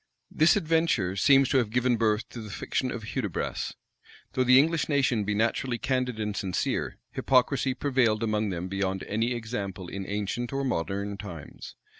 This adventure seems to have given birth to the fiction of Hudibras. Though the English nation be naturally candid and sincere, hypocrisy prevailed among them beyond any example in ancient or modern times.